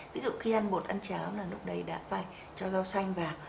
ví dụ khi ăn bột ăn cháo là lúc đấy đã phải cho rau xanh vào